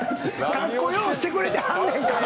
かっこようしてくれてはんねんから。